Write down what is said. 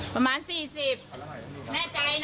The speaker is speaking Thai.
ประมาณ๔๘นาทีน